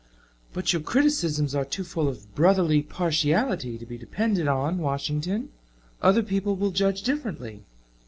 "But your criticisms are too full of brotherly partiality to be depended on, Washington. Other people will judge differently."